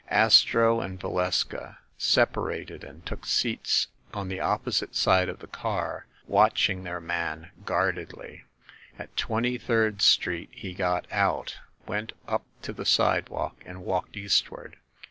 Astro and Valeska separated and took seats on the opposite side of the car, watching their man guardedly. At Twenty third Street he got out, went up to the sidewalk, and walked eastward.